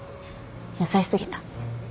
優し過ぎた。